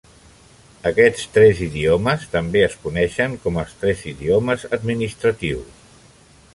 Aquests tres idiomes també es coneixen com els tres idiomes administratius.